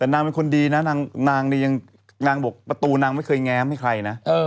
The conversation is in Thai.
แต่นางเป็นคนดีนะนางบอกประตูนางไม่เคยแง้มให้ใครนะ